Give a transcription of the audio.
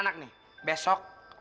besok ada ulang matematika